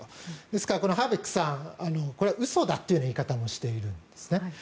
ですからハーベックさんは嘘だっていう言い方もしているんですね。